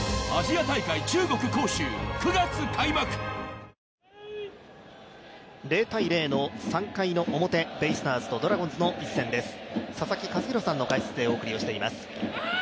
カルビー「ポテトデラックス」０−０の３回表、ベイスターズ×ドラゴンズの一戦、佐々木主浩さんの解説でお送りしています。